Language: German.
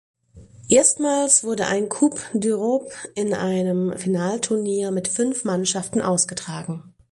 Erstmals wurde ein Coupe d’Europe in einem Finalturnier mit fünf Mannschaften ausgetragen.